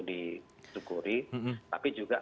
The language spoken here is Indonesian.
disyukuri tapi juga